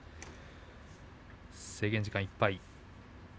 制限時間いっぱい